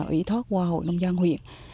ủy thoát qua hội nông dân huyện